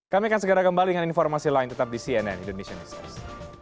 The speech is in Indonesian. kami akan segera kembali dengan informasi lain tetap di cnn indonesia newscast